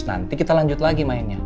nanti kita lanjut lagi mainnya